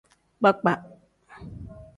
Kpakpa.